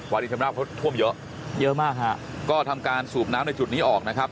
รินชำราบเขาท่วมเยอะเยอะมากฮะก็ทำการสูบน้ำในจุดนี้ออกนะครับ